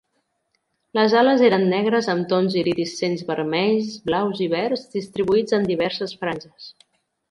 Les ales eren negres amb tons iridescents vermells, blaus i verds, distribuïts en diverses franges.